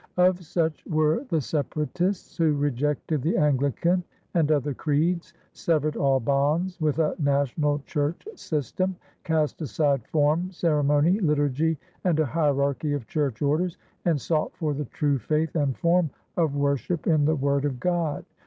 Of such were the Separatists, who rejected the Anglican and other creeds, severed all bonds with a national church system, cast aside form, ceremony, liturgy, and a hierarchy of church orders, and sought for the true faith and form of worship in the Word of God.